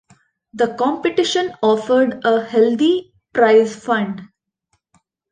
The competition offered a healthy prize fund.